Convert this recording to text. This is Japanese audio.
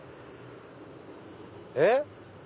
えっ？